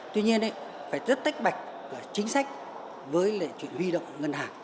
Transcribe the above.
tuy nhiên phải rất tách bạch chính sách với lại chuyện huy động ngân hàng